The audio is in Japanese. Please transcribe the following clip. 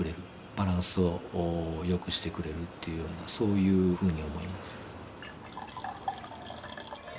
バランスをよくしてくれるというふうなそういうふうに思います。